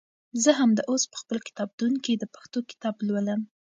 زه همدا اوس په خپل کتابتون کې د پښتو کتاب لولم.